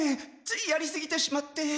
ついやりすぎてしまって。